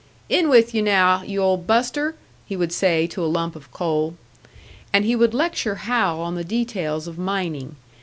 "In with you, now, you old buster!" he would say to a lump of coal. And he would lecture Hal on the details of mining.